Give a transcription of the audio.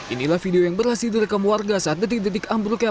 inilah video yang berhasil direkam warga saat detik detik ambruknya